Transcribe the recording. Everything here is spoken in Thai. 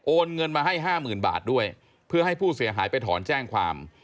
เงินมาให้ห้าหมื่นบาทด้วยเพื่อให้ผู้เสียหายไปถอนแจ้งความ